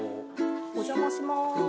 お邪魔します。